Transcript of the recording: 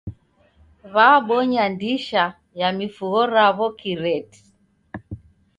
W'abonya ndisha ya mifugho raw'o kireti.